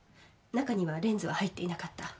中にはレンズは入っていなかった。